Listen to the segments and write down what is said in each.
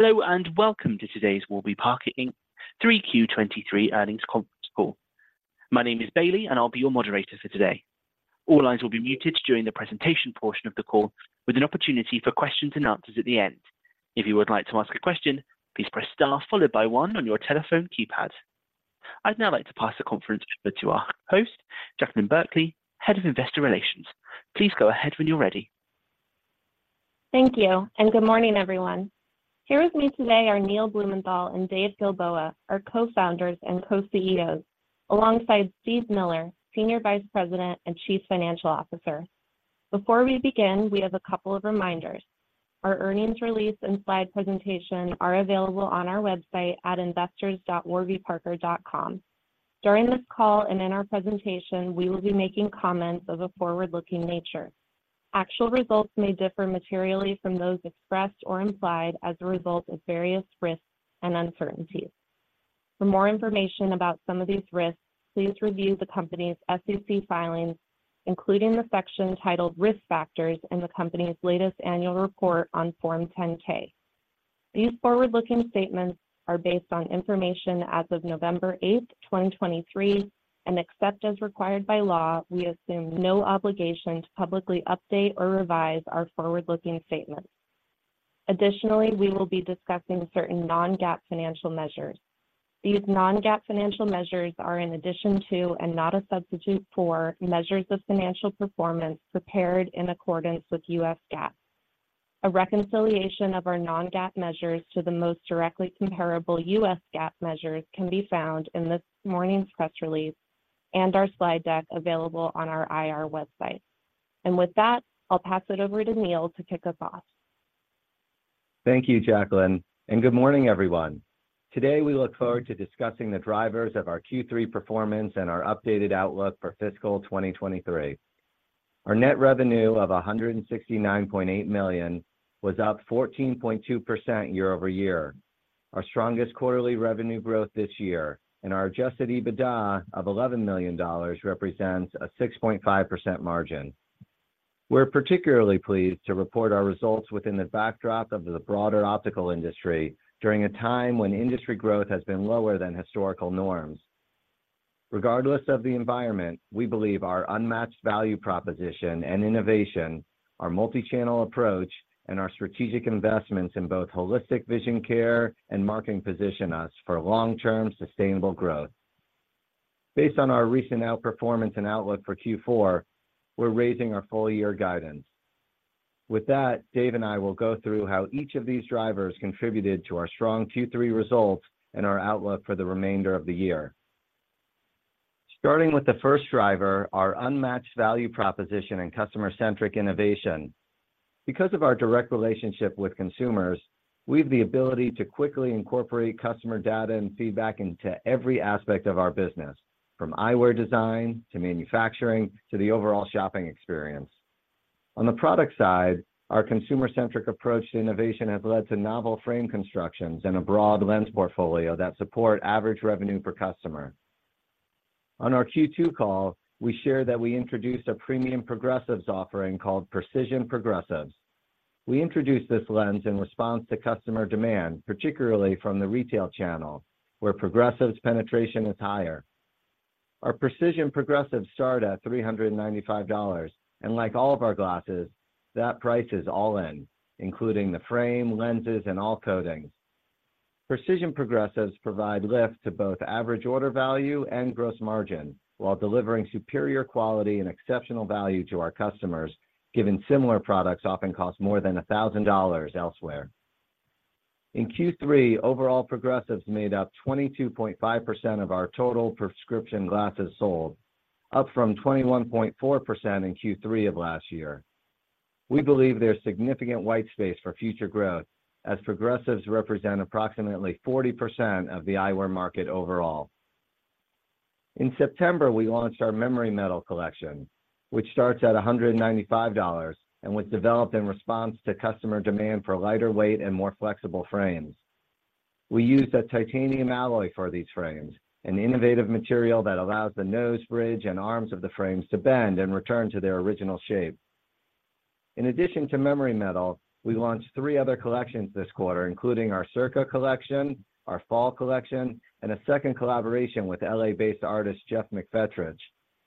Hello, and welcome to today's Warby Parker Inc. Q3 2023 earnings conference call. My name is Bailey, and I'll be your moderator for today. All lines will be muted during the presentation portion of the call, with an opportunity for questions and answers at the end. If you would like to ask a question, please press star followed by one on your telephone keypad. I'd now like to pass the conference over to our host, Jaclyn Berkley, Head of Investor Relations. Please go ahead when you're ready. Thank you, and good morning, everyone. Here with me today are Neil Blumenthal and Dave Gilboa, our Co-Founders and Co-Chief Executive Officers, alongside Steve Miller, Senior Vice President and Chief Financial Officer. Before we begin, we have a couple of reminders. Our earnings release and slide presentation are available on our website at investors.warbyparker.com. During this call and in our presentation, we will be making comments of a forward-looking nature. Actual results may differ materially from those expressed or implied as a result of various risks and uncertainties. For more information about some of these risks, please review the company's SEC filings, including the section titled "Risk Factors" in the company's latest annual report on Form 10-K. These forward-looking statements are based on information as of November 8, 2023, and except as required by law, we assume no obligation to publicly update or revise our forward-looking statements. Additionally, we will be discussing certain non-GAAP financial measures. These non-GAAP financial measures are in addition to, and not a substitute for, measures of financial performance prepared in accordance with U.S. GAAP. A reconciliation of our non-GAAP measures to the most directly comparable U.S. GAAP measures can be found in this morning's press release and our slide deck, available on our IR website. With that, I'll pass it over to Neil to kick us off. Thank you, Jaclyn, and good morning, everyone. Today, we look forward to discussing the drivers of our Q3 performance and our updated outlook for fiscal year 2023. Our net revenue of $169.8 million was up 14.2% year-over-year, our strongest quarterly revenue growth this year, and our adjusted EBITDA of $11 million represents a 6.5% margin. We're particularly pleased to report our results within the backdrop of the broader optical industry during a time when industry growth has been lower than historical norms. Regardless of the environment, we believe our unmatched value, proposition, and innovation, our multi-channel approach, and our strategic investments in both holistic vision care and marketing position us for long-term sustainable growth. Based on our recent outperformance and outlook for Q4, we're raising our full-year guidance. With that, Dave and I will go through how each of these drivers contributed to our strong Q3 results and our outlook for the remainder of the year. Starting with the first driver, our unmatched value proposition and customer-centric innovation. Because of our direct relationship with consumers, we have the ability to quickly incorporate customer data and feedback into every aspect of our business, from eyewear design to manufacturing to the overall shopping experience. On the product side, our consumer-centric approach to innovation have led to novel frame constructions and a broad lens portfolio that support average revenue per customer. On our Q2 call, we shared that we introduced a premium progressive offering called Precision Progressives. We introduced this lens in response to customer demand, particularly from the retail channel, where progressive penetration is higher. Our Precision Progressives start at $395, and like all of our glasses, that price is all-in, including the frame, lenses, and all coatings. Precision Progressives provide lift to both average order value and gross margin while delivering superior quality and exceptional value to our customers, given similar products often cost more than $1,000 elsewhere. In Q3, overall progressives made up 22.5% of our total prescription glasses sold, up from 21.4% in Q3 of last year. We believe there's significant white space for future growth as progressives represent approximately 40% of the eyewear market overall. In September, we launched our Memory Metal collection, which starts at $195 and was developed in response to customer demand for lighter weight and more flexible frames. We used a titanium alloy for these frames, an innovative material that allows the nose bridge and arms of the frames to bend and return to their original shape. In addition to Memory Metal, we launched three other collections this quarter, including our Circa Collection, our Fall Collection, and a second collaboration with L.A.-based artist, Geoff McFetridge,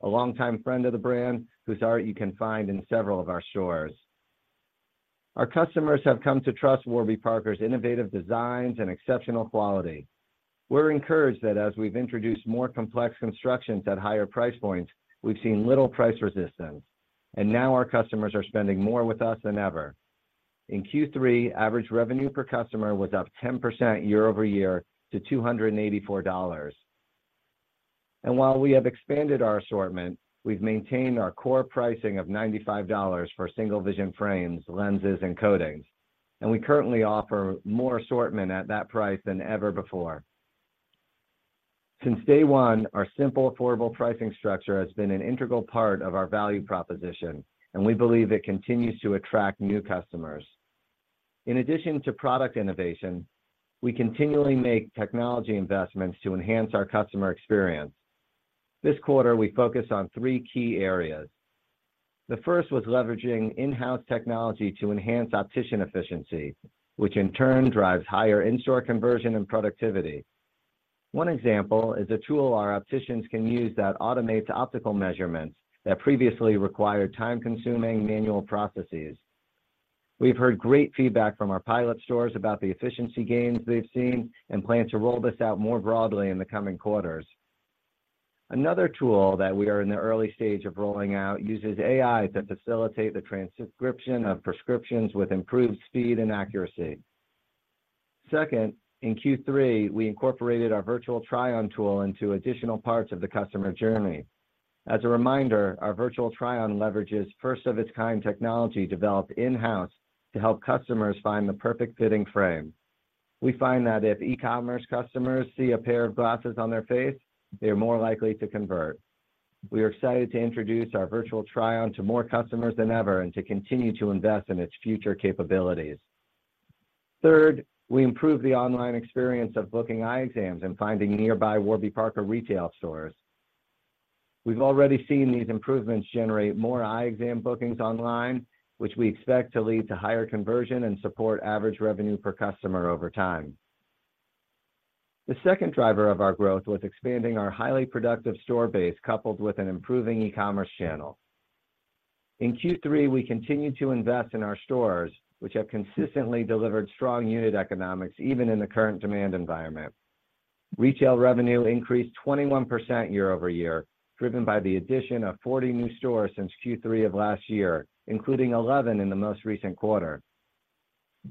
a longtime friend of the brand, whose art you can find in several of our stores. Our customers have come to trust Warby Parker's innovative designs and exceptional quality. We're encouraged that as we've introduced more complex constructions at higher price points, we've seen little price resistance, and now our customers are spending more with us than ever. In Q3, average revenue per customer was up 10% year-over-year to $284. While we have expanded our assortment, we've maintained our core pricing of $95 for single-vision frames, lenses, and coatings, and we currently offer more assortment at that price than ever before. Since day one, our simple, affordable pricing structure has been an integral part of our value proposition, and we believe it continues to attract new customers. In addition to product innovation, we continually make technology investments to enhance our customer experience. This quarter, we focused on three key areas: The first was leveraging in-house technology to enhance optician efficiency, which in turn drives higher in-store conversion and productivity. One example is a tool our opticians can use that automates optical measurements that previously required time-consuming manual processes. We've heard great feedback from our pilot stores about the efficiency gains they've seen and plan to roll this out more broadly in the coming quarters. Another tool that we are in the early stage of rolling out uses AI to facilitate the transcription of prescriptions with improved speed and accuracy. Second, in Q3, we incorporated our Virtual Try-On tool into additional parts of the customer journey. As a reminder, our Virtual Try-On leverages first-of-its-kind technology developed in-house to help customers find the perfect fitting frame. We find that if e-commerce customers see a pair of glasses on their face, they are more likely to convert. We are excited to introduce our Virtual Try-On to more customers than ever and to continue to invest in its future capabilities. Third, we improved the online experience of booking eye exams and finding nearby Warby Parker retail stores. We've already seen these improvements generate more eye exam bookings online, which we expect to lead to higher conversion and support average revenue per customer over time. The second driver of our growth was expanding our highly productive store base, coupled with an improving e-commerce channel. In Q3, we continued to invest in our stores, which have consistently delivered strong unit economics, even in the current demand environment. Retail revenue increased 21% year-over-year, driven by the addition of 40 new stores since Q3 of last year, including 11 in the most recent quarter.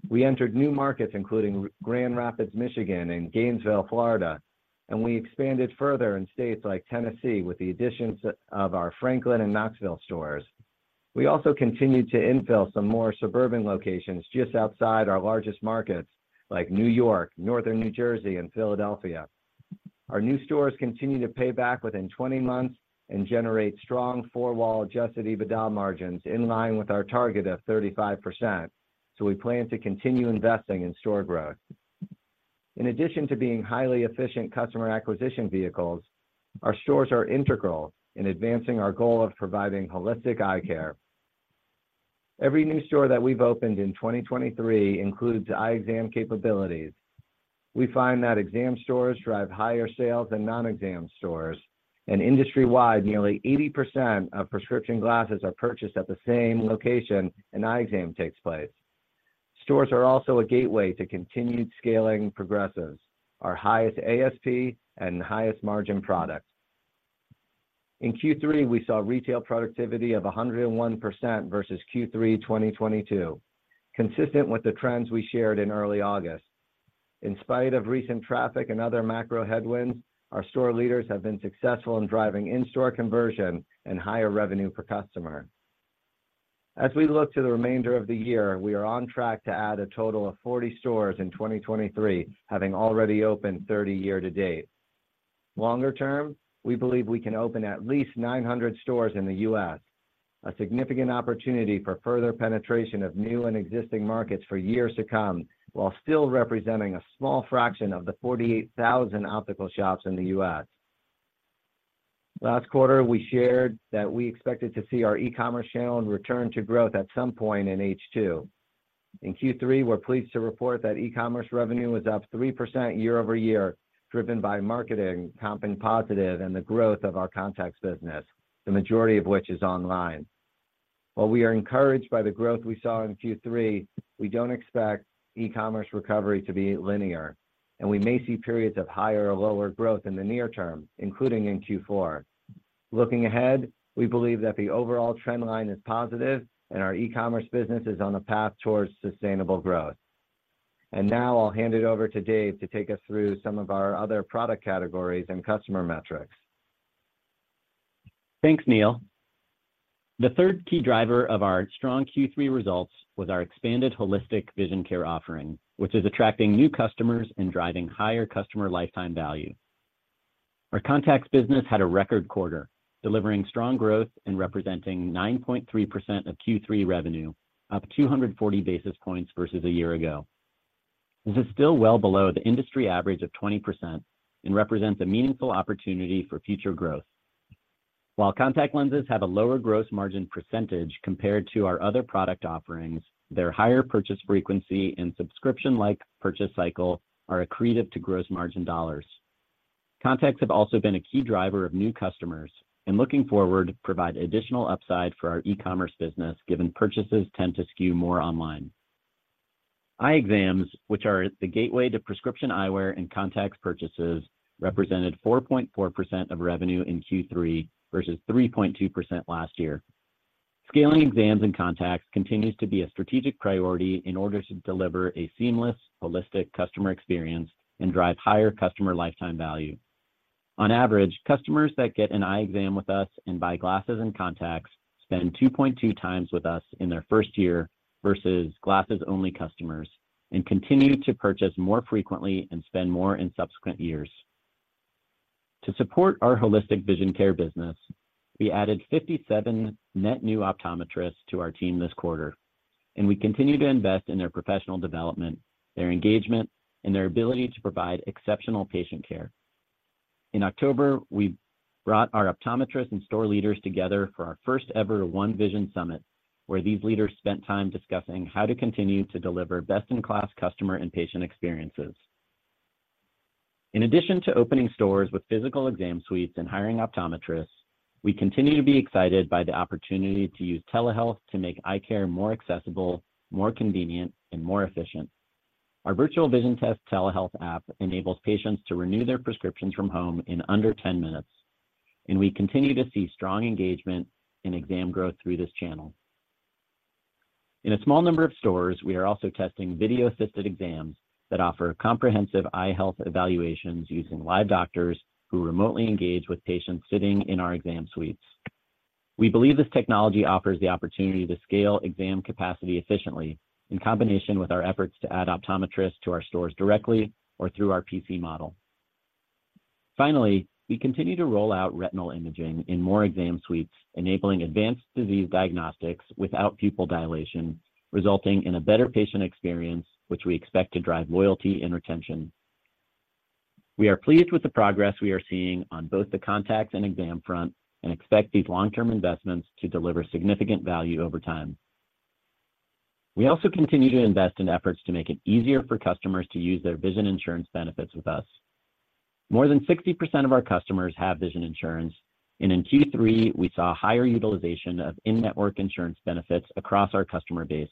We entered new markets, including Grand Rapids, Michigan, and Gainesville, Florida, and we expanded further in states like Tennessee with the additions of our Franklin and Knoxville stores. We also continued to infill some more suburban locations just outside our largest markets, like New York, Northern New Jersey, and Philadelphia. Our new stores continue to pay back within 20 months and generate strong four-wall adjusted EBITDA margins in line with our target of 35%, so we plan to continue investing in store growth. In addition to being highly efficient customer acquisition vehicles, our stores are integral in advancing our goal of providing holistic eye care. Every new store that we've opened in 2023 includes eye exam capabilities. We find that exam stores drive higher sales than non-exam stores, and industry-wide, nearly 80% of prescription glasses are purchased at the same location an eye exam takes place. Stores are also a gateway to continued scaling progressives, our highest ASP and highest margin product. In Q3, we saw retail productivity of 101% versus Q3 2022, consistent with the trends we shared in early August. In spite of recent traffic and other macro headwinds, our store leaders have been successful in driving in-store conversion and higher revenue per customer. As we look to the remainder of the year, we are on track to add a total of 40 stores in 2023, having already opened 30 year-to-date. Longer term, we believe we can open at least 900 stores in the U.S., a significant opportunity for further penetration of new and existing markets for years to come, while still representing a small fraction of the 48,000 optical shops in the U.S. Last quarter, we shared that we expected to see our e-commerce channel return to growth at some point in H2. In Q3, we're pleased to report that e-commerce revenue was up 3% year-over-year, driven by marketing comping positive, and the growth of our contacts business, the majority of which is online. While we are encouraged by the growth we saw in Q3, we don't expect e-commerce recovery to be linear, and we may see periods of higher or lower growth in the near term, including in Q4. Looking ahead, we believe that the overall trend line is positive and our e-commerce business is on a path towards sustainable growth. Now I'll hand it over to Dave to take us through some of our other product categories and customer metrics. Thanks, Neil. The third key driver of our strong Q3 results was our expanded holistic vision care offering, which is attracting new customers and driving higher customer lifetime value. Our contacts business had a record quarter, delivering strong growth and representing 9.3% of Q3 revenue, up 240 basis points versus a year ago. This is still well below the industry average of 20% and represents a meaningful opportunity for future growth. While contact lenses have a lower gross margin percentage compared to our other product offerings, their higher purchase frequency and subscription-like purchase cycle are accretive to gross margin dollars. Contacts have also been a key driver of new customers, and looking forward, provide additional upside for our e-commerce business, given purchases tend to skew more online. Eye exams, which are the gateway to prescription eyewear and contacts purchases, represented 4.4% of revenue in Q3 versus 3.2% last year. Scaling exams and contacts continues to be a strategic priority in order to deliver a seamless, holistic customer experience and drive higher customer lifetime value. On average, customers that get an eye exam with us and buy glasses and contacts spend 2.2x with us in their first year versus glasses-only customers and continue to purchase more frequently and spend more in subsequent years. To support our holistic vision care business, we added 57 net new optometrists to our team this quarter, and we continue to invest in their professional development, their engagement, and their ability to provide exceptional patient care. In October, we brought our optometrists and store leaders together for our first-ever One Vision Summit, where these leaders spent time discussing how to continue to deliver best-in-class customer and patient experiences. In addition to opening stores with physical exam suites and hiring optometrists, we continue to be excited by the opportunity to use telehealth to make eye care more accessible, more convenient, and more efficient. Our Virtual Vision Test telehealth app enables patients to renew their prescriptions from home in under 10 minutes, and we continue to see strong engagement and exam growth through this channel. In a small number of stores, we are also testing video-assisted exams that offer comprehensive eye health evaluations using live doctors who remotely engage with patients sitting in our exam suites. We believe this technology offers the opportunity to scale exam capacity efficiently in combination with our efforts to add optometrists to our stores directly or through our P.C. model. Finally, we continue to roll out retinal imaging in more exam suites, enabling advanced disease diagnostics without pupil dilation, resulting in a better patient experience, which we expect to drive loyalty and retention. We are pleased with the progress we are seeing on both the contacts and exam front and expect these long-term investments to deliver significant value over time. We also continue to invest in efforts to make it easier for customers to use their vision insurance benefits with us. More than 60% of our customers have vision insurance, and in Q3, we saw higher utilization of in-network insurance benefits across our customer base,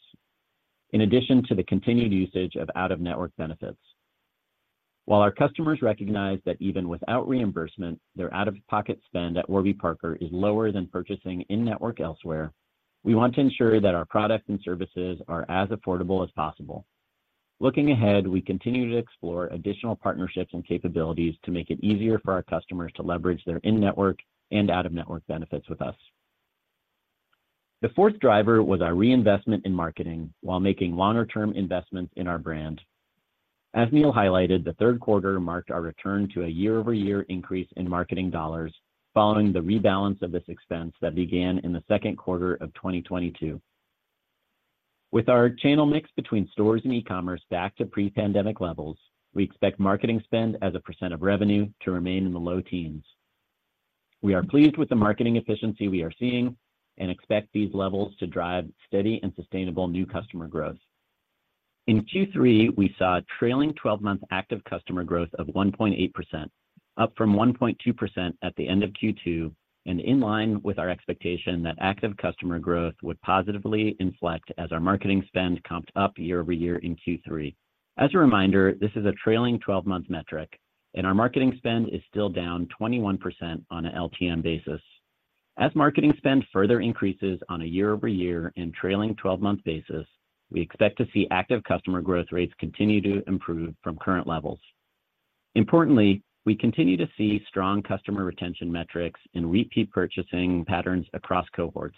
in addition to the continued usage of out-of-network benefits. While our customers recognize that even without reimbursement, their out-of-pocket spend at Warby Parker is lower than purchasing in-network elsewhere, we want to ensure that our products and services are as affordable as possible. Looking ahead, we continue to explore additional partnerships and capabilities to make it easier for our customers to leverage their in-network and out-of-network benefits with us. The fourth driver was our reinvestment in marketing while making longer-term investments in our brand. As Neil highlighted, the third quarter marked our return to a year-over-year increase in marketing dollars following the rebalance of this expense that began in the second quarter of 2022. With our channel mix between stores and e-commerce back to pre-pandemic levels, we expect marketing spend as a percent of revenue to remain in the low teens. We are pleased with the marketing efficiency we are seeing and expect these levels to drive steady and sustainable new customer growth. In Q3, we saw trailing 12-month active customer growth of 1.8%, up from 1.2% at the end of Q2, and in line with our expectation that active customer growth would positively inflect as our marketing spend comped up year-over-year in Q3. As a reminder, this is a trailing twelve-month metric, and our marketing spend is still down 21% on an LTM basis. As marketing spend further increases on a year-over-year and trailing 12-month basis, we expect to see active customer growth rates continue to improve from current levels. Importantly, we continue to see strong customer retention metrics and repeat purchasing patterns across cohorts,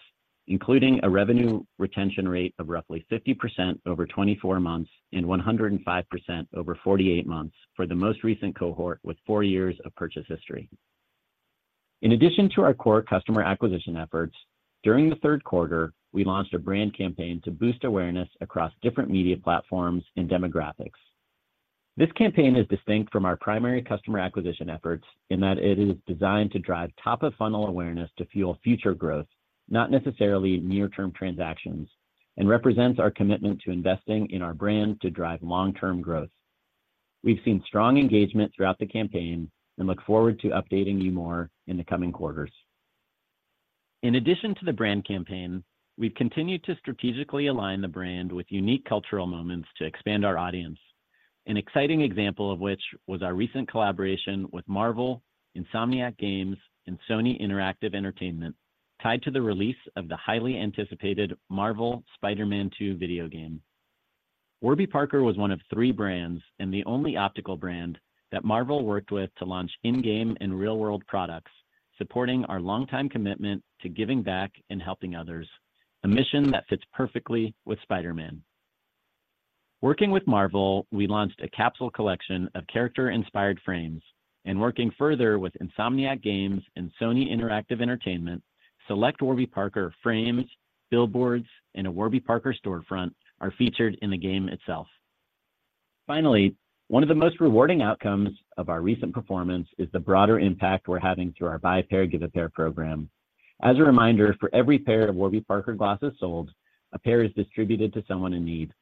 including a revenue retention rate of roughly 50% over 24 months and 105% over 48 months for the most recent cohort with four years of purchase history. In addition to our core customer acquisition efforts, during the third quarter, we launched a brand campaign to boost awareness across different media platforms and demographics. This campaign is distinct from our primary customer acquisition efforts in that it is designed to drive top-of-funnel awareness to fuel future growth, not necessarily near-term transactions, and represents our commitment to investing in our brand to drive long-term growth. We've seen strong engagement throughout the campaign and look forward to updating you more in the coming quarters. In addition to the brand campaign, we've continued to strategically align the brand with unique cultural moments to expand our audience. An exciting example of which was our recent collaboration with Marvel, Insomniac Games, and Sony Interactive Entertainment, tied to the release of the highly anticipated Marvel's Spider-Man 2 video game. Warby Parker was one of three brands and the only optical brand that Marvel worked with to launch in-game and real-world products, supporting our longtime commitment to giving back and helping others, a mission that fits perfectly with Spider-Man. Working with Marvel, we launched a capsule collection of character-inspired frames, and working further with Insomniac Games and Sony Interactive Entertainment, select Warby Parker frames, billboards, and a Warby Parker storefront are featured in the game itself. Finally, one of the most rewarding outcomes of our recent performance is the broader impact we're having through our Buy a Pair, Give a Pair program. As a reminder, for every pair of Warby Parker glasses sold, a pair is distributed to someone in need.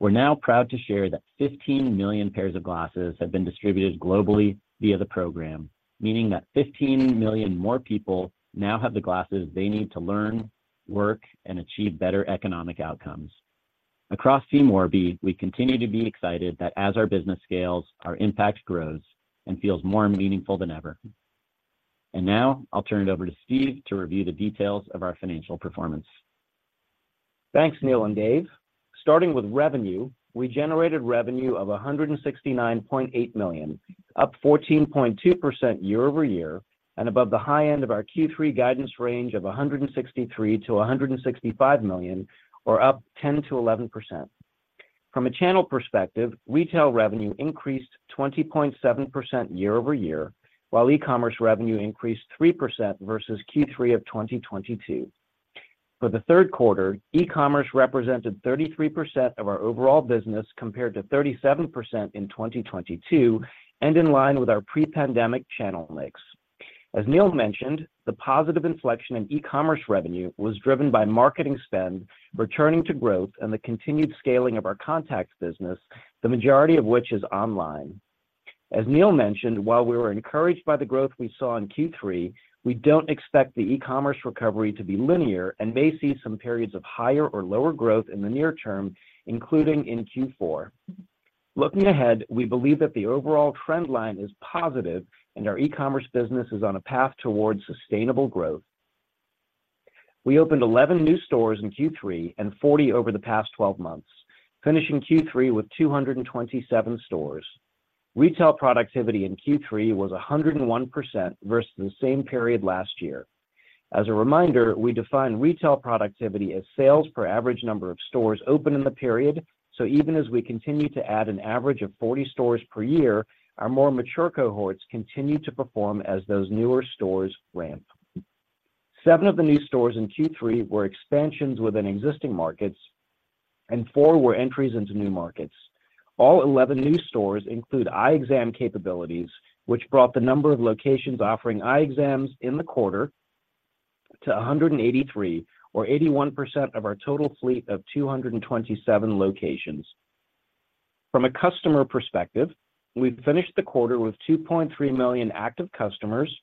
We're now proud to share that 15 million pairs of glasses have been distributed globally via the program, meaning that 15 million more people now have the glasses they need to learn, work, and achieve better economic outcomes. Across Team Warby, we continue to be excited that as our business scales, our impact grows and feels more meaningful than ever. Now I'll turn it over to Steve to review the details of our financial performance. Thanks, Neil and Dave. Starting with revenue, we generated revenue of $169.8 million, up 14.2% year-over-year, and above the high end of our Q3 guidance range of $163 million-$165 million, or up 10%-11%. From a channel perspective, retail revenue increased 20.7% year-over-year, while e-commerce revenue increased 3% versus Q3 of 2022. For the third quarter, e-commerce represented 33% of our overall business, compared to 37% in 2022, and in line with our pre-pandemic channel mix. As Neil mentioned, the positive inflection in e-commerce revenue was driven by marketing spend, returning to growth and the continued scaling of our contacts business, the majority of which is online. As Neil mentioned, while we were encouraged by the growth we saw in Q3, we don't expect the e-commerce recovery to be linear and may see some periods of higher or lower growth in the near term, including in Q4. Looking ahead, we believe that the overall trend line is positive and our e-commerce business is on a path towards sustainable growth. We opened 11 new stores in Q3 and 40 over the past 12 months, finishing Q3 with 227 stores. Retail productivity in Q3 was 101% versus the same period last year. As a reminder, we define retail productivity as sales per average number of stores open in the period, so even as we continue to add an average of 40 stores per year, our more mature cohorts continue to perform as those newer stores ramp. Seven of the new stores in Q3 were expansions within existing markets, and four were entries into new markets. All 11 new stores include eye exam capabilities, which brought the number of locations offering eye exams in the quarter to 183 or 81% of our total fleet of 227 locations. From a customer perspective, we finished the quarter with 2.3 million active customers,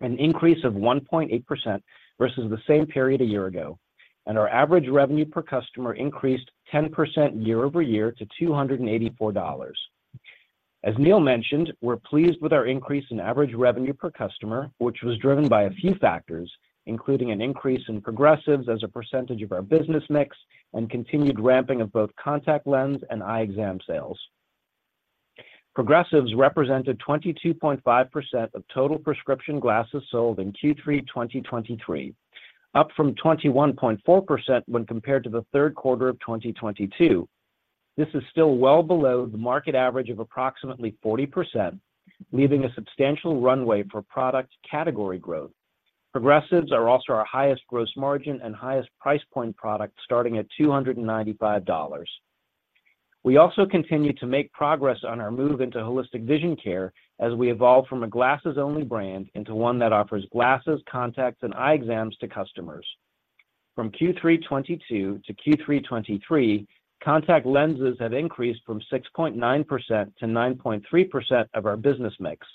an increase of 1.8% versus the same period a year ago, and our average revenue per customer increased 10% year-over-year to $284. As Neil mentioned, we're pleased with our increase in average revenue per customer, which was driven by a few factors, including an increase in progressives as a percentage of our business mix and continued ramping of both contact lens and eye exam sales. Progressives represented 22.5% of total prescription glasses sold in Q3 2023, up from 21.4% when compared to the third quarter of 2022. This is still well below the market average of approximately 40%, leaving a substantial runway for product category growth. Progressives are also our highest gross margin and highest price point product, starting at $295. We also continue to make progress on our move into holistic vision care as we evolve from a glasses-only brand into one that offers glasses, contacts and eye exams to customers. From Q3 2022 to Q3 2023, contact lenses have increased from 6.9% to 9.3% of our business mix.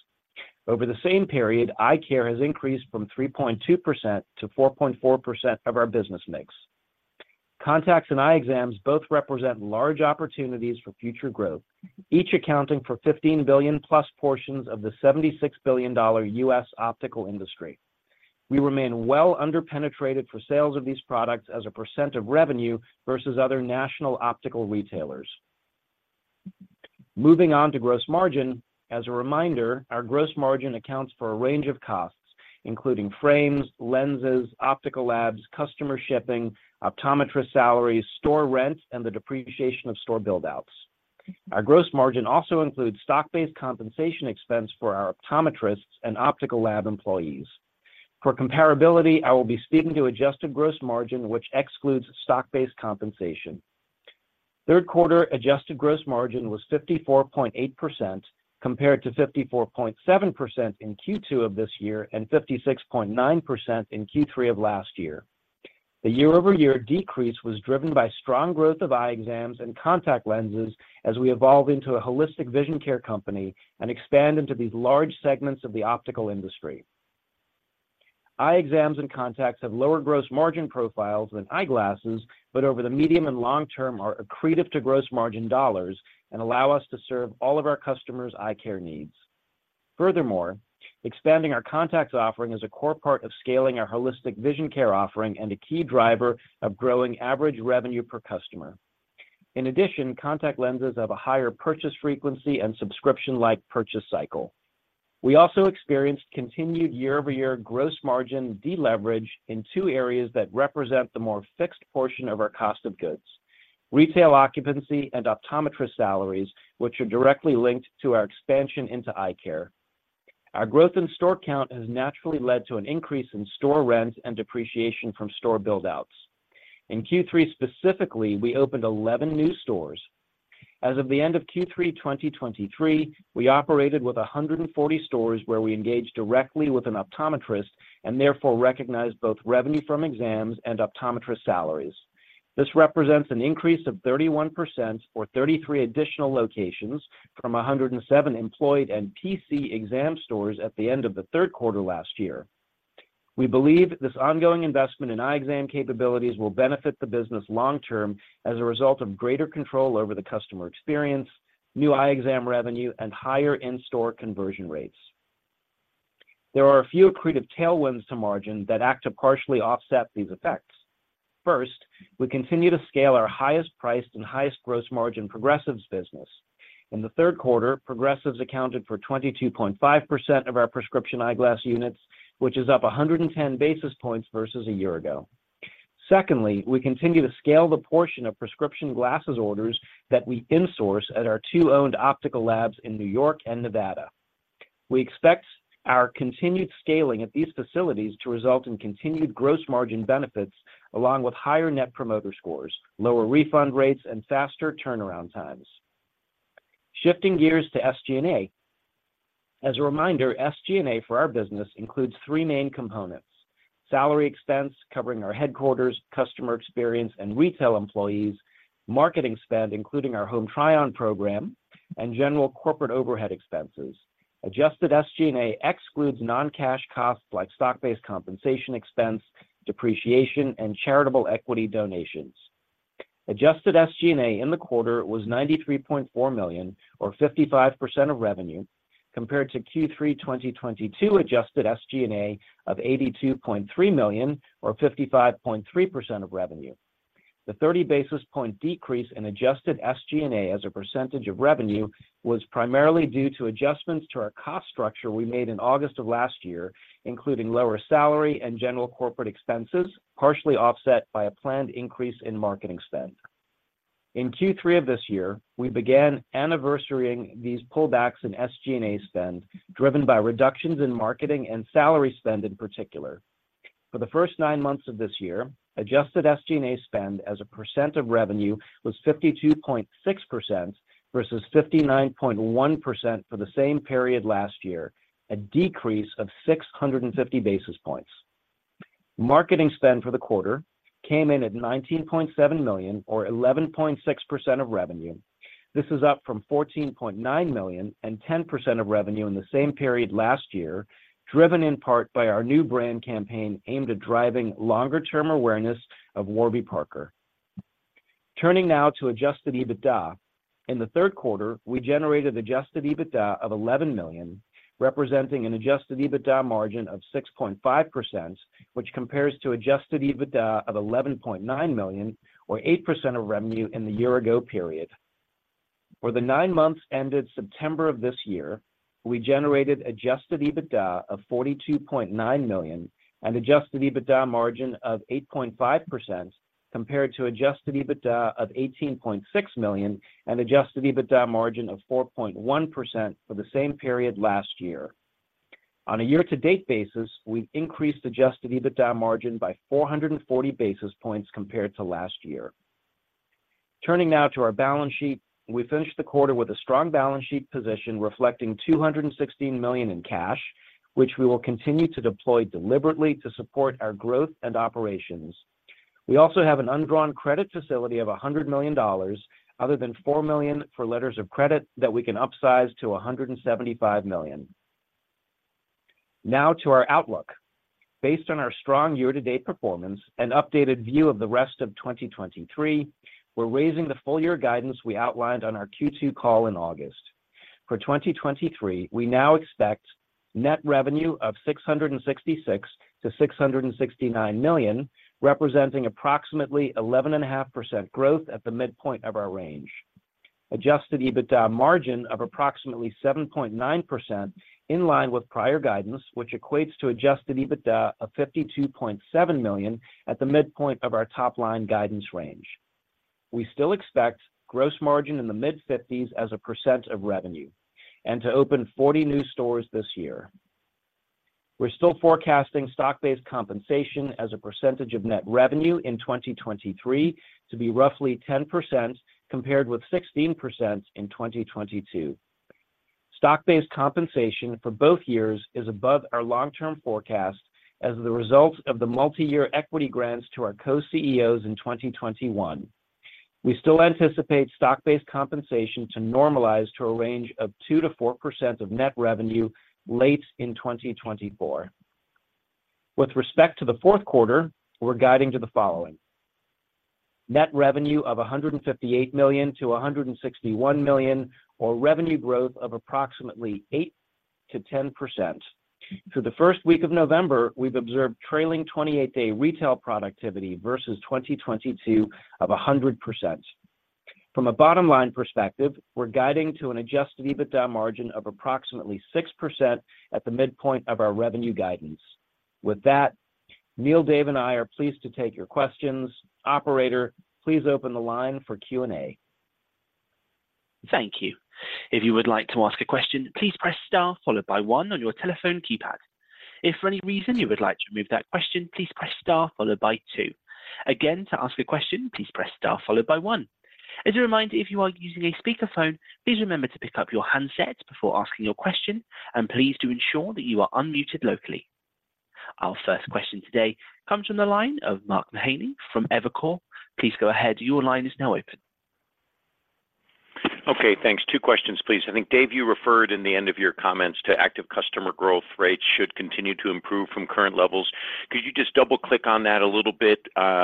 Over the same period, eye care has increased from 3.2% to 4.4% of our business mix. Contacts and eye exams both represent large opportunities for future growth, each accounting for $15+ billion portions of the $76 billion U.S. optical industry. We remain well underpenetrated for sales of these products as a percent of revenue versus other national optical retailers. Moving on to gross margin. As a reminder, our gross margin accounts for a range of costs, including frames, lenses, optical labs, customer shipping, optometrist salaries, store rents, and the depreciation of store buildouts. Our gross margin also includes stock-based compensation expense for our optometrists and optical lab employees. For comparability, I will be speaking to adjusted gross margin, which excludes stock-based compensation. Third quarter adjusted gross margin was 54.8%, compared to 54.7% in Q2 of this year and 56.9% in Q3 of last year. The year-over-year decrease was driven by strong growth of eye exams and contact lenses as we evolve into a holistic vision care company and expand into these large segments of the optical industry. Eye exams and contacts have lower gross margin profiles than eyeglasses, but over the medium and long term, are accretive to gross margin dollars and allow us to serve all of our customers' eye care needs. Furthermore, expanding our contacts offering is a core part of scaling our holistic vision care offering and a key driver of growing average revenue per customer. In addition, contact lenses have a higher purchase frequency and subscription-like purchase cycle. We also experienced continued year-over-year gross margin deleverage in two areas that represent the more fixed portion of our cost of goods: retail occupancy and optometrist salaries, which are directly linked to our expansion into eye care. Our growth in store count has naturally led to an increase in store rents and depreciation from store buildouts. In Q3, specifically, we opened 11 new stores. As of the end of Q3 2023, we operated with 140 stores, where we engaged directly with an optometrist and therefore recognized both revenue from exams and optometrist salaries. This represents an increase of 31% or 33 additional locations from 107 employed and P.C. exam stores at the end of the third quarter last year. We believe this ongoing investment in eye exam capabilities will benefit the business long term as a result of greater control over the customer experience, new eye exam revenue, and higher in-store conversion rates. There are a few accretive tailwinds to margin that act to partially offset these effects. First, we continue to scale our highest priced and highest gross margin Progressives business. In the third quarter, Progressives accounted for 22.5% of our prescription eyeglass units, which is up 110 basis points versus a year ago. Secondly, we continue to scale the portion of prescription glasses orders that we insource at our two owned optical labs in New York and Nevada. We expect our continued scaling at these facilities to result in continued gross margin benefits, along with higher Net Promoter Scores, lower refund rates, and faster turnaround times. Shifting gears to SG&A. As a reminder, SG&A for our business includes three main components: salary expense, covering our headquarters, customer experience, and retail employees; marketing spend, including our home try-on program; and general corporate overhead expenses. Adjusted SG&A excludes non-cash costs like stock-based compensation expense, depreciation, and charitable equity donations. Adjusted SG&A in the quarter was $93.4 million, or 55% of revenue, compared to Q3 2022 adjusted SG&A of $82.3 million, or 55.3% of revenue. The 30 basis point decrease in adjusted SG&A as a percentage of revenue was primarily due to adjustments to our cost structure we made in August of last year, including lower salary and general corporate expenses, partially offset by a planned increase in marketing spend. In Q3 of this year, we began anniversarying these pullbacks in SG&A spend, driven by reductions in marketing and salary spend in particular. For the first nine months of this year, adjusted SG&A spend as a percent of revenue was 52.6% versus 59.1% for the same period last year, a decrease of 650 basis points. Marketing spend for the quarter came in at $19.7 million, or 11.6% of revenue. This is up from $14.9 million and 10% of revenue in the same period last year, driven in part by our new brand campaign aimed at driving longer term awareness of Warby Parker. Turning now to adjusted EBITDA. In the third quarter, we generated adjusted EBITDA of $11 million, representing an adjusted EBITDA margin of 6.5%, which compares to adjusted EBITDA of $11.9 million, or 8% of revenue in the year ago period. For the nine months ended September of this year, we generated adjusted EBITDA of $42.9 million and adjusted EBITDA margin of 8.5%, compared to adjusted EBITDA of $18.6 million and adjusted EBITDA margin of 4.1% for the same period last year. On a year-to-date basis, we increased adjusted EBITDA margin by 440 basis points compared to last year. Turning now to our balance sheet. We finished the quarter with a strong balance sheet position, reflecting $216 million in cash, which we will continue to deploy deliberately to support our growth and operations. We also have an undrawn credit facility of $100 million, other than $4 million for letters of credit, that we can upsize to $175 million. Now to our outlook. Based on our strong year-to-date performance and updated view of the rest of 2023, we're raising the full year guidance we outlined on our Q2 call in August. For 2023, we now expect net revenue of $666 million-$669 million, representing approximately 11.5% growth at the midpoint of our range. Adjusted EBITDA margin of approximately 7.9%, in line with prior guidance, which equates to adjusted EBITDA of $52.7 million at the midpoint of our top-line guidance range. We still expect gross margin in the mid-50s% as a percent of revenue and to open 40 new stores this year. We're still forecasting stock-based compensation as a percentage of net revenue in 2023 to be roughly 10%, compared with 16% in 2022. Stock-based compensation for both years is above our long-term forecast as the result of the multi-year equity grants to our co-Chief Executive Officers in 2021. We still anticipate stock-based compensation to normalize to a range of 2%-4% of net revenue late in 2024. With respect to the fourth quarter, we're guiding to the following: net revenue of $158 million-$161 million, or revenue growth of approximately 8%-10%. For the first week of November, we've observed trailing 28-day retail productivity versus 2022 of 100%. From a bottom line perspective, we're guiding to an adjusted EBITDA margin of approximately 6% at the midpoint of our revenue guidance. With that, Neil, Dave, and I are pleased to take your questions. Operator, please open the line for Q&A. Thank you. If you would like to ask a question, please press star followed by one on your telephone keypad. If for any reason you would like to remove that question, please press star followed by two. Again, to ask a question, please press star followed by one. As a reminder, if you are using a speakerphone, please remember to pick up your handset before asking your question, and please do ensure that you are unmuted locally. Our first question today comes from the line of Mark Mahaney from Evercore. Please go ahead. Your line is now open. Okay, thanks. Two questions, please. I think, Dave, you referred in the end of your comments to active customer growth rates should continue to improve from current levels. Could you just double-click on that a little bit?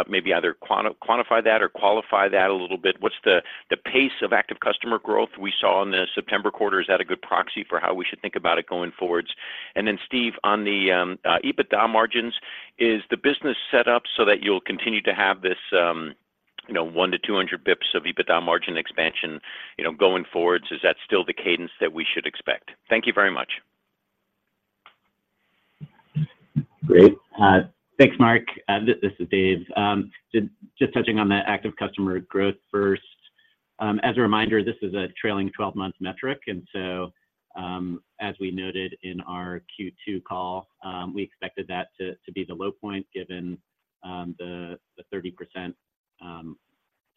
Maybe either quantify that or qualify that a little bit. What's the pace of active customer growth we saw in the September quarter? Is that a good proxy for how we should think about it going forwards? And then, Steve, on the EBITDA margins, is the business set up so that you'll continue to have this, you know, 100-200 basis points of EBITDA margin expansion, you know, going forwards? Is that still the cadence that we should expect? Thank you very much.... Great. Thanks, Mark. And this is Dave. Just touching on the active customer growth first. As a reminder, this is a trailing twelve-month metric, and so, as we noted in our Q2 call, we expected that to be the low point, given the 30%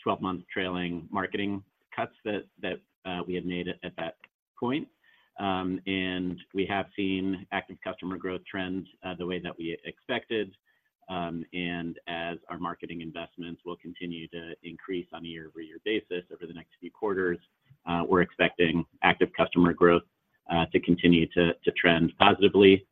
twelve-month trailing marketing cuts that we had made at that point. And we have seen active customer growth trends the way that we expected. And as our marketing investments will continue to increase on a year-over-year basis over the next few quarters, we're expecting active customer growth to continue to trend positively.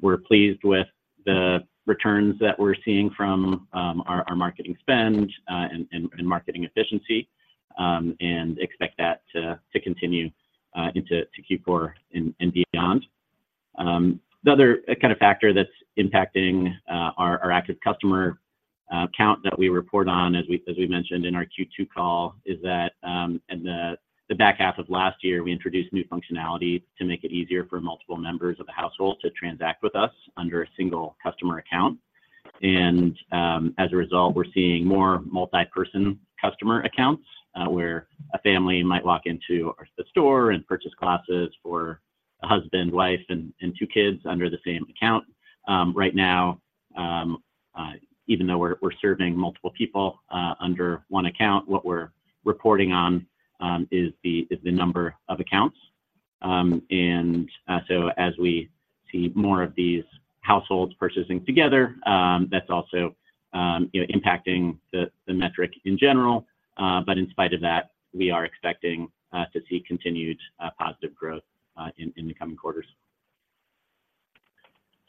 We're pleased with the returns that we're seeing from our marketing spend and marketing efficiency, and expect that to continue into Q4 and beyond. The other kind of factor that's impacting our active customer count that we report on, as we mentioned in our Q2 call, is that in the back half of last year, we introduced new functionality to make it easier for multiple members of a household to transact with us under a single customer account. As a result, we're seeing more multi-person customer accounts, where a family might walk into our store and purchase glasses for a husband, wife, and two kids under the same account. Right now, even though we're serving multiple people under one account, what we're reporting on is the number of accounts. And so as we see more of these households purchasing together, that's also, you know, impacting the metric in general. But in spite of that, we are expecting to see continued positive growth in the coming quarters.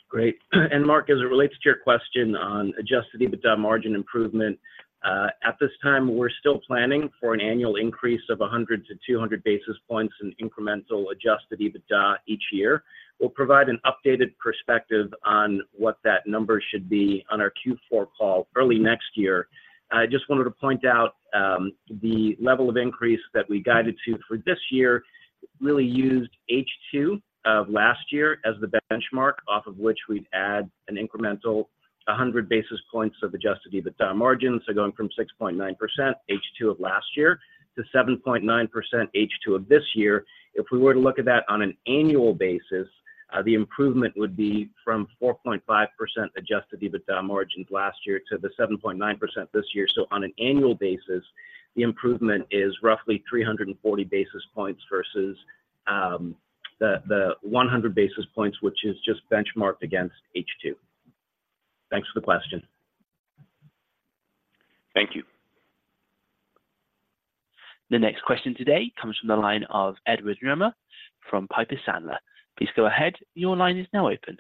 Great. And Mark, as it relates to your question on adjusted EBITDA margin improvement, at this time, we're still planning for an annual increase of 100-200 basis points in incremental adjusted EBITDA each year. We'll provide an updated perspective on what that number should be on our Q4 call early next year. I just wanted to point out, the level of increase that we guided to for this year really used H2 of last year as the benchmark, off of which we'd add an incremental 100 basis points of adjusted EBITDA margins, so going from 6.9% H2 of last year to 7.9% H2 of this year. If we were to look at that on an annual basis, the improvement would be from 4.5% adjusted EBITDA margins last year to the 7.9% this year. So on an annual basis, the improvement is roughly 340 basis points versus, the 100 basis points, which is just benchmarked against H2. Thanks for the question. Thank you. The next question today comes from the line of Edward Yruma from Piper Sandler. Please go ahead. Your line is now open.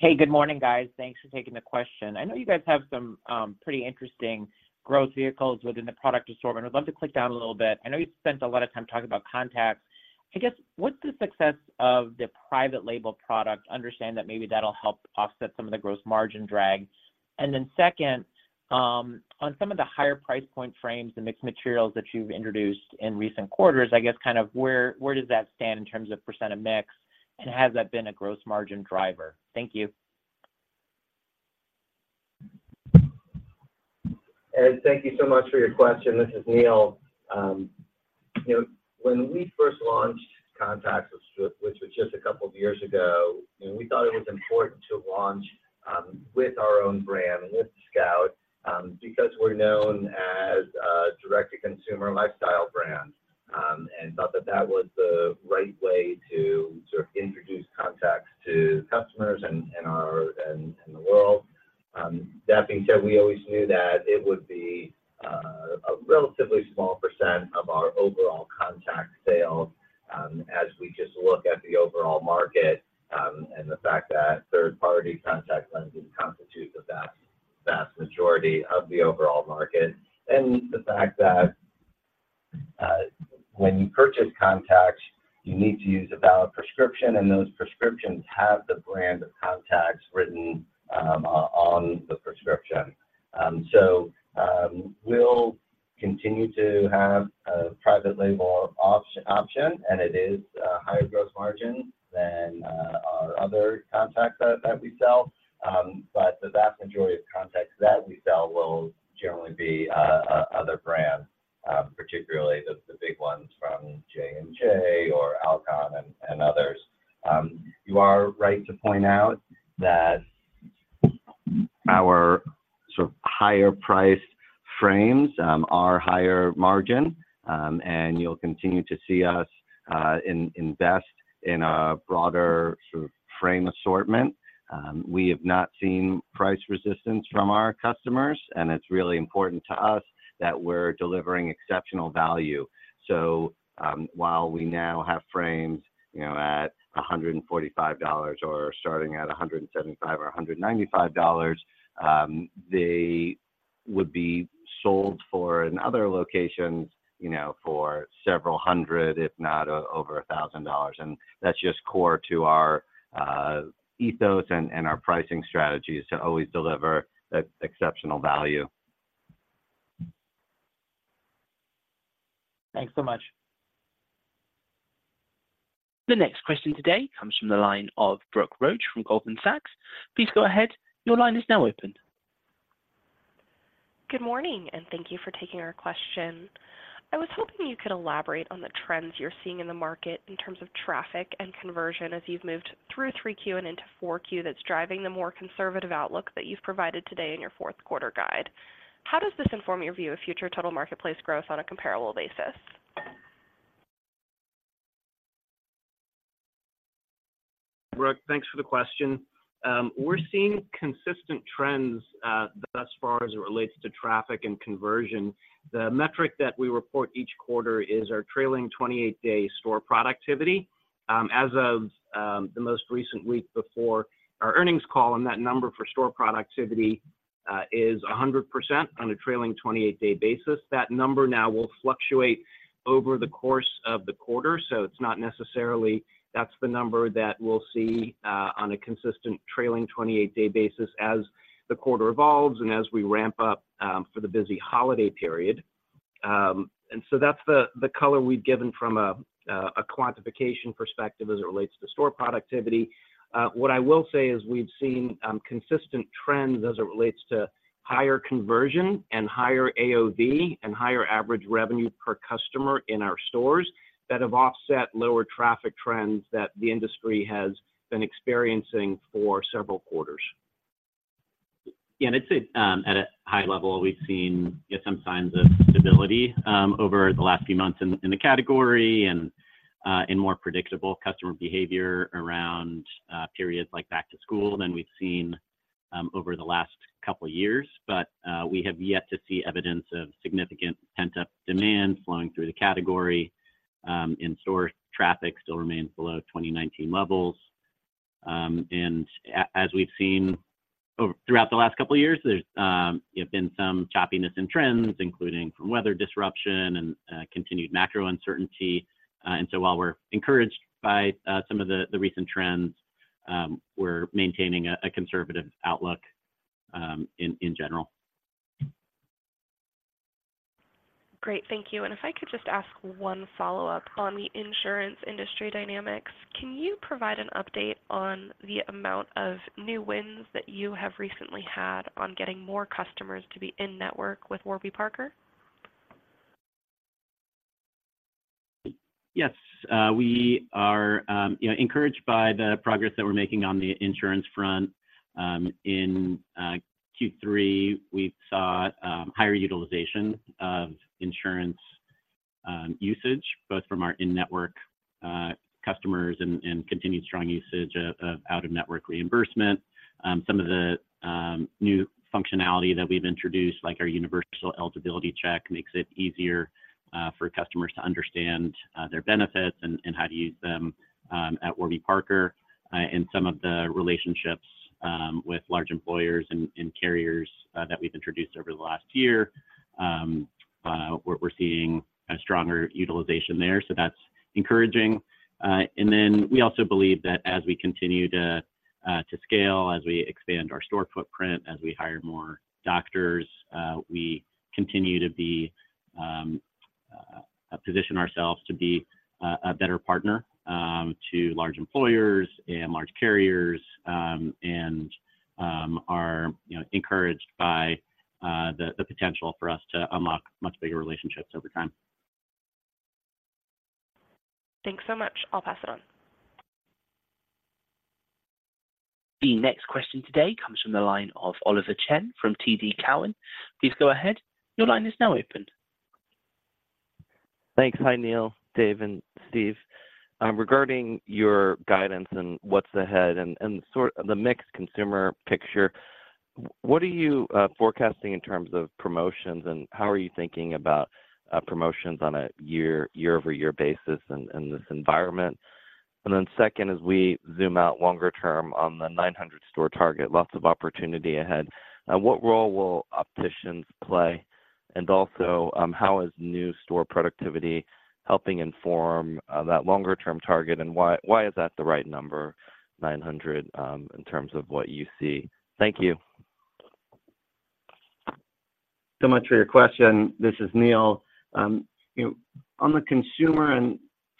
Hey, good morning, guys. Thanks for taking the question. I know you guys have some pretty interesting growth vehicles within the product assortment. I'd love to click down a little bit. I know you've spent a lot of time talking about contacts. I guess, what's the success of the private label product? Understand that maybe that'll help offset some of the gross margin drag. And then second, on some of the higher price point frames, the mixed materials that you've introduced in recent quarters, I guess, kind of where does that stand in terms of percent of mix, and has that been a gross margin driver? Thank you. Ed, thank you so much for your question. This is Neil. You know, when we first launched contacts which was just a couple of years ago, you know, we thought it was important to launch with our own brand, with Scout, because we're known as a direct-to-consumer lifestyle brand, and thought that that was the right way to sort of introduce contacts to customers and our and the world. That being said, we always knew that it would be a relatively small percent of our overall contact sales, as we just look at the overall market, and the fact that third-party contact lenses constitute the vast, vast majority of the overall market. And the fact that, when you purchase contacts, you need to use a valid prescription, and those prescriptions have the brand of contacts written on the prescription. So, we'll continue to have a private label option, and it is higher gross margin than our other contacts that we sell. But the vast majority of contacts that we sell will generally be other brands, particularly the big ones from J&J or Alcon and others. You are right to point out that our sort of higher priced frames are higher margin. And you'll continue to see us invest in a broader sort of frame assortment. We have not seen price resistance from our customers, and it's really important to us that we're delivering exceptional value. So, while we now have frames, you know, at $145 or starting at $175 or $195, they would be sold for, in other locations, you know, for several hundred, if not over $1,000. And that's just core to our ethos and our pricing strategy is to always deliver exceptional value. Thanks so much. The next question today comes from the line of Brooke Roach from Goldman Sachs. Please go ahead. Your line is now open. Good morning, and thank you for taking our question. I was hoping you could elaborate on the trends you're seeing in the market in terms of traffic and conversion as you've moved through 3Q and into 4Q, that's driving the more conservative outlook that you've provided today in your fourth quarter guide. How does this inform your view of future total marketplace growth on a comparable basis? Brooke, thanks for the question. We're seeing consistent trends, thus far as it relates to traffic and conversion. The metric that we report each quarter is our trailing 28-day store productivity. As of the most recent week before our earnings call, and that number for store productivity, is 100% on a trailing 28-day basis. That number now will fluctuate over the course of the quarter, so it's not necessarily that's the number that we'll see, on a consistent trailing 28-day basis as the quarter evolves and as we ramp up, for the busy holiday period. And so that's the color we've given from a quantification perspective as it relates to store productivity. What I will say is we've seen consistent trends as it relates to higher conversion and higher AOV and higher average revenue per customer in our stores that have offset lower traffic trends that the industry has been experiencing for several quarters. Yeah, and I'd say at a high level, we've seen some signs of stability over the last few months in the category and in more predictable customer behavior around periods like back to school than we've seen over the last couple of years. But we have yet to see evidence of significant pent-up demand flowing through the category. In-store traffic still remains below 2019 levels. And as we've seen throughout the last couple of years, there's been some choppiness in trends, including from weather disruption and continued macro uncertainty. And so while we're encouraged by some of the recent trends, we're maintaining a conservative outlook in general. Great. Thank you. And if I could just ask one follow-up on the insurance industry dynamics. Can you provide an update on the amount of new wins that you have recently had on getting more customers to be in-network with Warby Parker? Yes. We are, you know, encouraged by the progress that we're making on the insurance front. In Q3, we saw higher utilization of insurance usage, both from our in-network customers and continued strong usage of out-of-network reimbursement. Some of the new functionality that we've introduced, like our Universal Eligibility Check, makes it easier for customers to understand their benefits and how to use them at Warby Parker, and some of the relationships with large employers and carriers that we've introduced over the last year. We're seeing a stronger utilization there, so that's encouraging. And then we also believe that as we continue to scale, as we expand our store footprint, as we hire more doctors, we continue to position ourselves to be a better partner to large employers and large carriers, and are, you know, encouraged by the potential for us to unlock much bigger relationships over time. Thanks so much. I'll pass it on. The next question today comes from the line of Oliver Chen from TD Cowen. Please go ahead. Your line is now open. Thanks. Hi, Neil, Dave, and Steve. Regarding your guidance and what's ahead and the mixed consumer picture, what are you forecasting in terms of promotions, and how are you thinking about promotions on a year-over-year basis in this environment? And then second, as we zoom out longer term on the 900-store target, lots of opportunity ahead, what role will opticians play? And also, how is new store productivity helping inform that longer-term target, and why is that the right number, 900, in terms of what you see? Thank you. So much for your question. This is Neil. You know, on the consumer and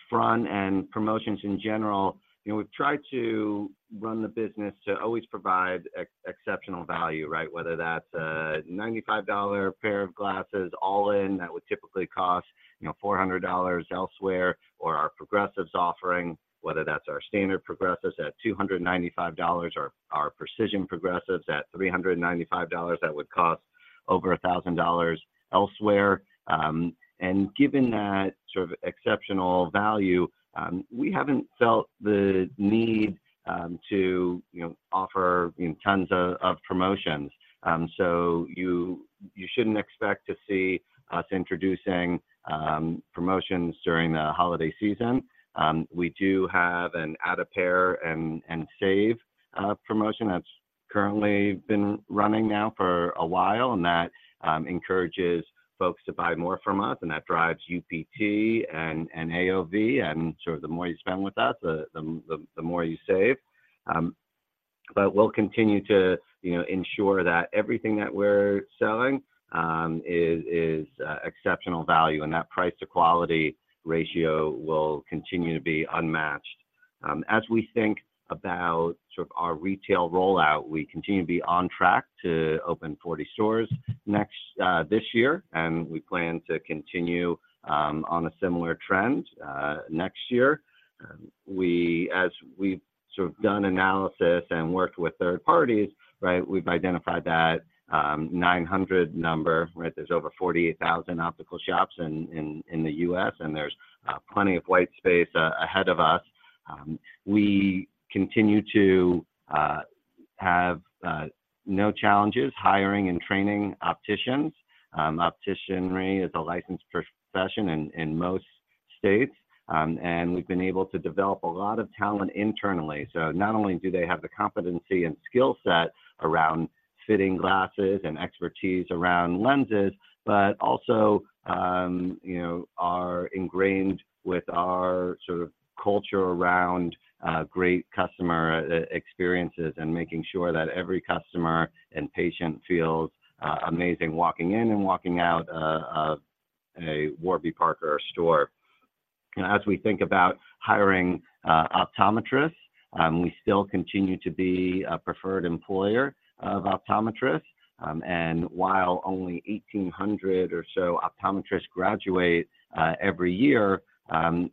front and promotions in general, you know, we've tried to run the business to always provide exceptional value, right? Whether that's a $95 pair of glasses, all in, that would typically cost, you know, $400 elsewhere, or our Progressives offering, whether that's our standard Progressives at $295 or our Precision Progressives at $395, that would cost over $1,000 elsewhere. And given that sort of exceptional value, we haven't felt the need to, you know, offer, you know, tons of promotions. So you shouldn't expect to see us introducing promotions during the holiday season. We do have an Add A Pair and Save promotion that's currently been running now for a while, and that encourages folks to buy more from us, and that drives UPT and AOV, and sort of the more you spend with us, the more you save. But we'll continue to, you know, ensure that everything that we're selling is exceptional value, and that price to quality ratio will continue to be unmatched. As we think about sort of our retail rollout, we continue to be on track to open 40 stores next this year, and we plan to continue on a similar trend next year. As we've sort of done analysis and worked with third parties, right, we've identified that 900 number, right? There's over 48,000 optical shops in the U.S., and there's plenty of white space ahead of us. We continue to have no challenges hiring and training opticians. Opticianry is a licensed profession in most states, and we've been able to develop a lot of talent internally. So not only do they have the competency and skill set around fitting glasses and expertise around lenses, but also, you know, are ingrained with our sort of culture around great customer experiences, and making sure that every customer and patient feels amazing walking in and walking out a Warby Parker store. As we think about hiring optometrists, we still continue to be a preferred employer of optometrists. And while only 1,800 or so optometrists graduate every year,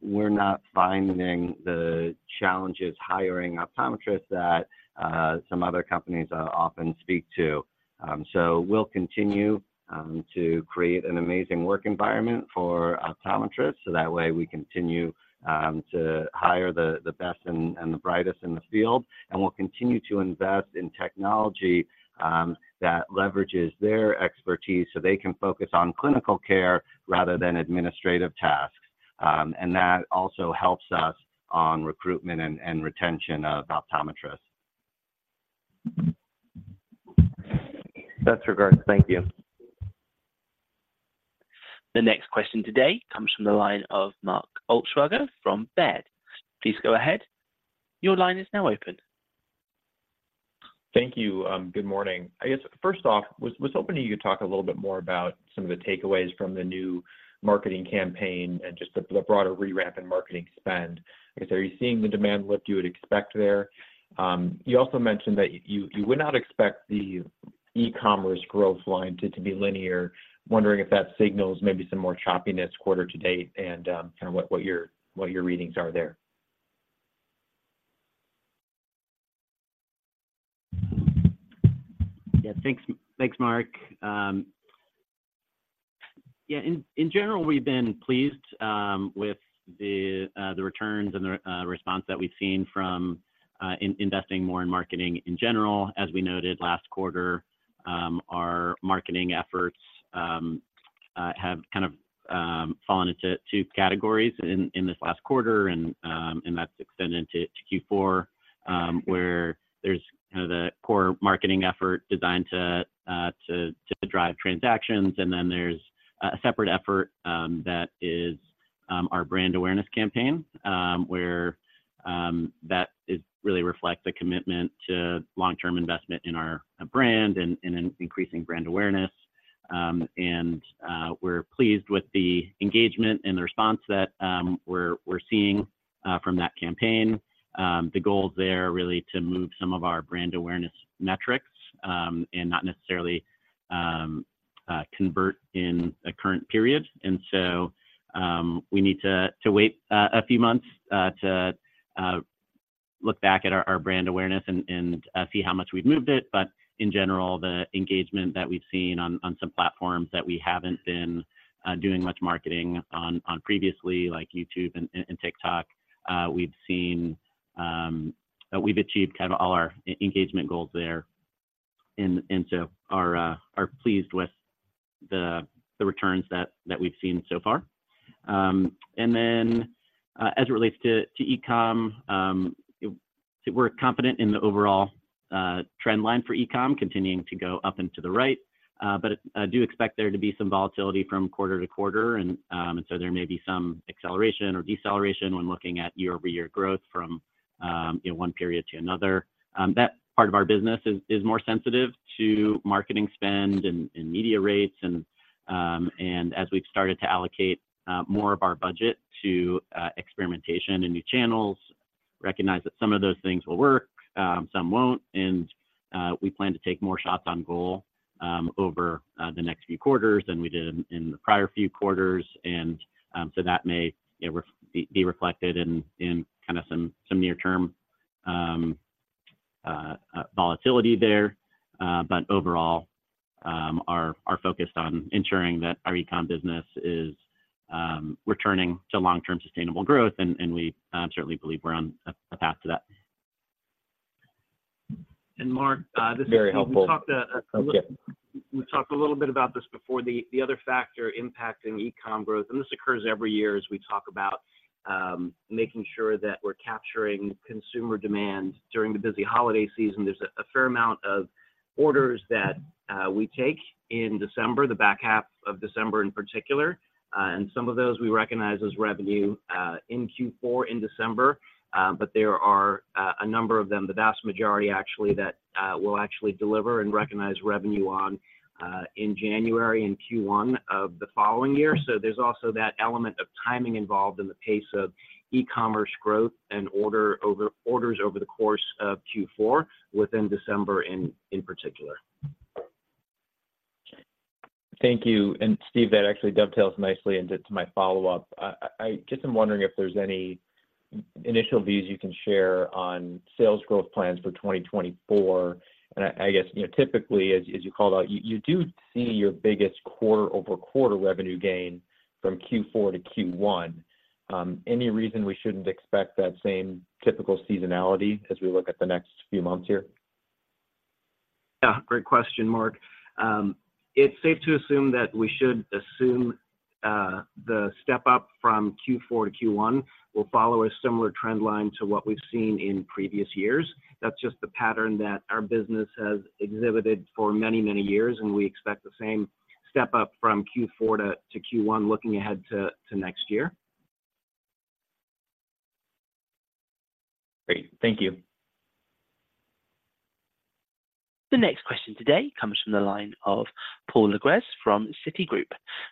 we're not finding the challenges hiring optometrists that some other companies often speak to. So we'll continue to create an amazing work environment for optometrists, so that way we continue to hire the best and the brightest in the field. And we'll continue to invest in technology that leverages their expertise, so they can focus on clinical care rather than administrative tasks. And that also helps us on recruitment and retention of optometrists. Best regards. Thank you. The next question today comes from the line of Mark Altschwager from Baird. Please go ahead. Your line is now open. Thank you. Good morning. I guess, first off, I was hoping you could talk a little bit more about some of the takeaways from the new marketing campaign and just the broader re-ramp in marketing spend. I guess, are you seeing the demand lift you would expect there? You also mentioned that you would not expect the e-commerce growth line to be linear. Wondering if that signals maybe some more choppiness quarter to date and kind of what your readings are there? Yeah. Thanks, thanks, Mark. Yeah, in general, we've been pleased with the returns and the response that we've seen from investing more in marketing in general. As we noted last quarter, our marketing efforts have kind of fallen into two categories in this last quarter, and that's extended into Q4, where there's kind of the core marketing effort designed to drive transactions. And then there's a separate effort that is our brand awareness campaign, where that really reflects a commitment to long-term investment in our brand and in increasing brand awareness. And we're pleased with the engagement and the response that we're seeing from that campaign. The goal there is really to move some of our brand awareness metrics, and not necessarily convert in a current period. And so, we need to wait a few months to look back at our brand awareness and see how much we've moved it. But in general, the engagement that we've seen on some platforms that we haven't been doing much marketing on previously, like YouTube and TikTok, we've seen. We've achieved kind of all our engagement goals there and so are pleased with the returns that we've seen so far. And then, as it relates to e-com, we're confident in the overall trend line for e-com continuing to go up and to the right, but do expect there to be some volatility from quarter to quarter. And so there may be some acceleration or deceleration when looking at year-over-year growth from one period to another. That part of our business is more sensitive to marketing spend and media rates. And as we've started to allocate more of our budget to experimentation and new channels, recognize that some of those things will work, some won't. And we plan to take more shots on goal over the next few quarters than we did in the prior few quarters. And, so that may be reflected in kind of some near-term volatility there. But overall, our focus on ensuring that our e-com business is returning to long-term sustainable growth, and we certainly believe we're on a path to that. And Mark, this- Very helpful. We talked. Okay. We talked a little bit about this before. The other factor impacting e-com growth, and this occurs every year as we talk about, making sure that we're capturing consumer demand during the busy holiday season. There's a fair amount of orders that we take in December, the back half of December in particular. And some of those we recognize as revenue in Q4, in December. But there are a number of them, the vast majority actually, that will actually deliver and recognize revenue on in January and Q1 of the following year. So there's also that element of timing involved in the pace of e-commerce growth and orders over the course of Q4, within December in particular. Thank you. And Steve, that actually dovetails nicely into my follow-up. I just am wondering if there's any initial views you can share on sales growth plans for 2024. And I guess, you know, typically, as you called out, you do see your biggest quarter-over-quarter revenue gain from Q4 to Q1. Any reason we shouldn't expect that same typical seasonality as we look at the next few months here? Yeah, great question, Mark. It's safe to assume that we should assume the step up from Q4 to Q1 will follow a similar trend line to what we've seen in previous years. That's just the pattern that our business has exhibited for many, many years, and we expect the same step up from Q4 to Q1, looking ahead to next year. Great. Thank you. The next question today comes from the line of Paul Lejuez from Citigroup.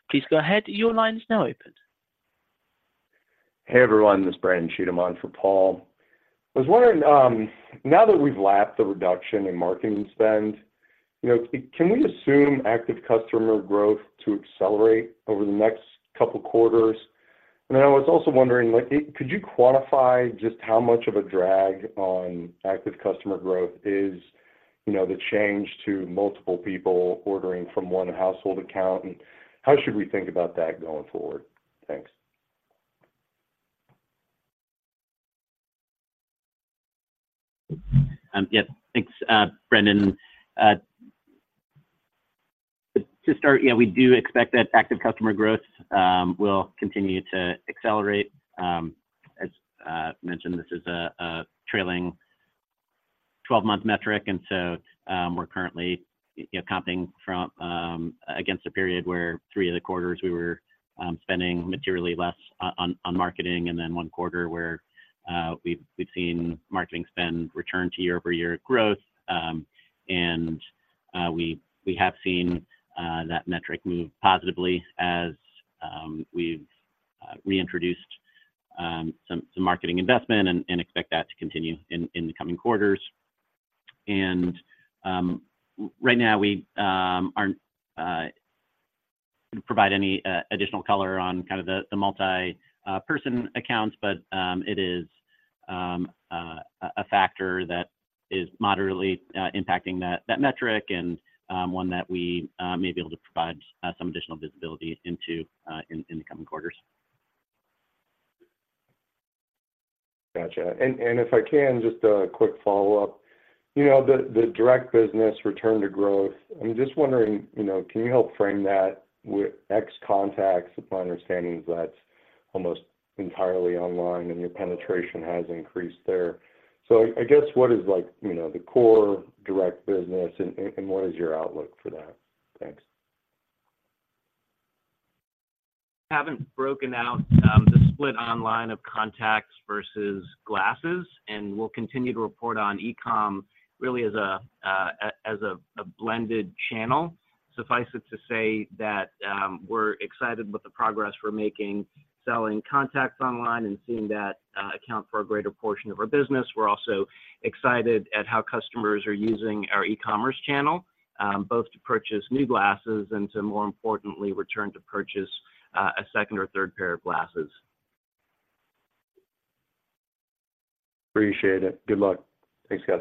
Please go ahead. Your line is now open. Hey, everyone, this is Brandon Cheatham on for Paul. I was wondering, now that we've lapped the reduction in marketing spend, you know, can we assume active customer growth to accelerate over the next couple quarters? And I was also wondering, like, could you quantify just how much of a drag on active customer growth is, you know, the change to multiple people ordering from one household account? And how should we think about that going forward? Thanks. Yeah. Thanks, Brandon. To start, yeah, we do expect that active customer growth will continue to accelerate. As I mentioned, this is a trailing twelve-month metric, and so we're currently, you know, comping against a period where three of the quarters we were spending materially less on marketing, and then one quarter where we've seen marketing spend return to year-over-year growth. And we have seen that metric move positively as we've reintroduced some marketing investment and expect that to continue in the coming quarters. Right now, we aren't provide any additional color on kind of the multi-person accounts, but it is a factor that is moderately impacting that metric and one that we may be able to provide some additional visibility into in the coming quarters. Gotcha. If I can, just a quick follow-up. You know, the direct business return to growth, I'm just wondering, you know, can you help frame that with ex-contacts? If my understanding, that's almost entirely online, and your penetration has increased there. So I guess, what is like, you know, the core direct business and what is your outlook for that? Thanks. Haven't broken out the split online of contacts versus glasses, and we'll continue to report on e-com really as a blended channel. Suffice it to say that we're excited with the progress we're making, selling contacts online and seeing that account for a greater portion of our business. We're also excited at how customers are using our e-commerce channel both to purchase new glasses and to more importantly, return to purchase a second or third pair of glasses. Appreciate it. Good luck. Thanks, guys.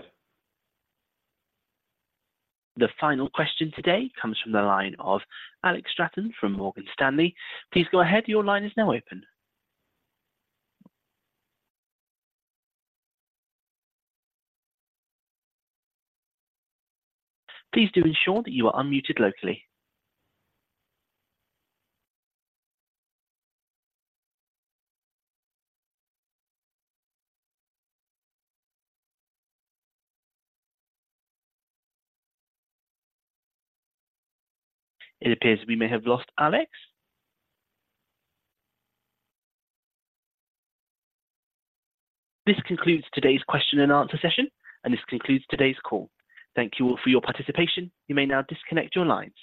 The final question today comes from the line of Alex Straton from Morgan Stanley. Please go ahead. Your line is now open. Please do ensure that you are unmuted locally. It appears we may have lost Alex. This concludes today's question-and-answer session, and this concludes today's call. Thank you all for your participation. You may now disconnect your lines.